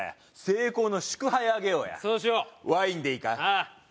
成功の祝杯あげようやそうしようワインでいいかああ